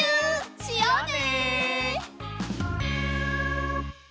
しようね！